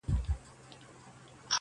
ته ګرځې لالهانده پسي شیخه ما لیدلي,